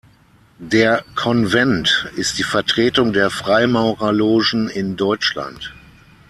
Der Konvent ist die Vertretung der Freimaurerlogen in Deutschland.